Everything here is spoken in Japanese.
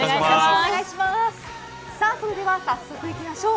それでは早速いきましょう。